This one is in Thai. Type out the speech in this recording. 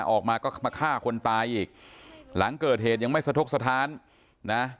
ออกมาก็มาฆ่าคนตายอีกหลังเกิดเหตุยังไม่สะทกสถานนะ